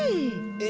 え！